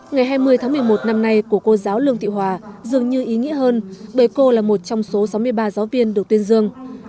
ngày hai mươi tháng một mươi một năm nay của cô giáo lương thị hòa dường như ý nghĩa hơn bởi cô là một trong số sáu mươi ba giáo viên được tuyên dương